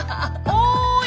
おい！